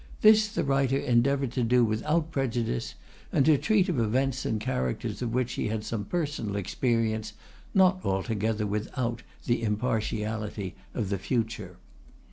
This the writer endeavoured to do without prejudice, and to treat of events and characters of which he had some personal experience, not altogether without the impartiality of the future.